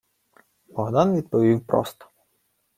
Богдан відповів просто: